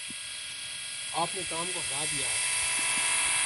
آپ نے ٹام کو ہرا دیا ہے۔